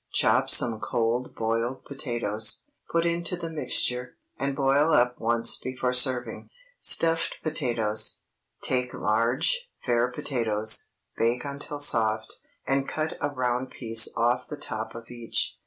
Chop some cold boiled potatoes, put into the mixture, and boil up once before serving. STUFFED POTATOES. ✠ Take large, fair potatoes, bake until soft, and cut a round piece off the top of each.